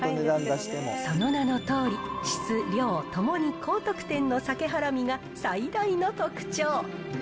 その名のとおり、質量ともに高得点の鮭はらみが最大の特徴。